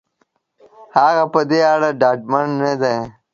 هغه په دې اړه ډاډمن نه دی.